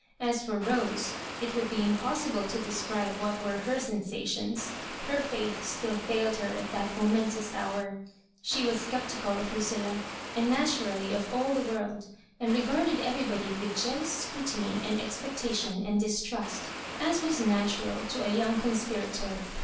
As for Rose, it would be impossible to describe what were her sensations. Her faith still failed her at that momentous hour. She was sceptical of Lucilla, and naturally of all the world, and re garded everybody with jealous scrutiny and ex pectation and distrust, as was natural to a young conspirator.